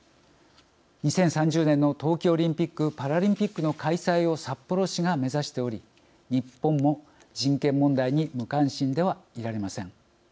２０３０年の冬季オリンピック・パラリンピックの開催を札幌市が目指しており日本も人権問題に無関心ではいられません。